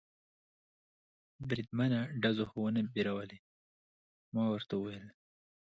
بریدمنه، ډزو خو و نه بیرولې؟ ما ورته وویل.